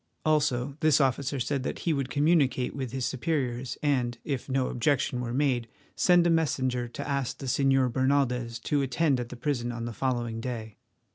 Also this officer said that he would communicate with his superiors, and, if no objection were made, send a messenger to ask the Señor Bernaldez to attend at the prison on the following day.